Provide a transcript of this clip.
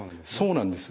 そうなんです。